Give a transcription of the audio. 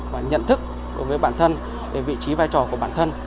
và nhận thức đối với bản thân về vị trí vai trò của bản thân